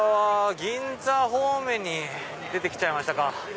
銀座方面に出て来ちゃいましたか。